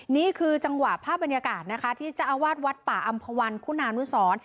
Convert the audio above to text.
นี่คือจังหวะภาพบรรยากาศนะคะที่เจ้าอาวาสวัดป่าอำภาวันคุณานุสร